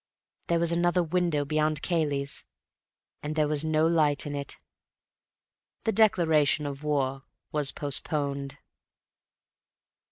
There was another window beyond Cayley's, and there was no light in it. The declaration of war was postponed.